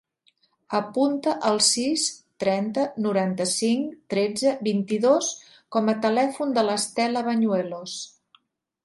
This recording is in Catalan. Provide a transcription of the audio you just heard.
Apunta el sis, trenta, noranta-cinc, tretze, vint-i-dos com a telèfon de l'Estela Bañuelos.